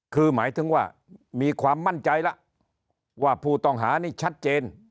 คือหมายถึงว่ามีความมั่นใจแล้วว่าผู้ต้องหานี่ชัดเจน